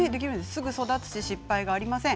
すぐ育つし、失敗がありません。